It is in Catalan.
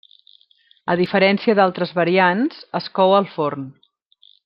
A diferència d'altres variants, es cou al forn.